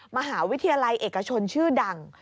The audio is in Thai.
มหาวิทยาลัยเอกชนชื่อดัง